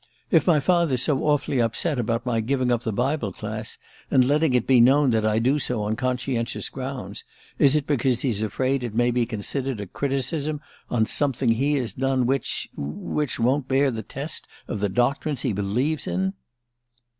"If my father's so awfully upset about my giving up my Bible Class, and letting it be known that I do so on conscientious grounds, is it because he's afraid it may be considered a criticism on something he has done which which won't bear the test of the doctrines he believes in?"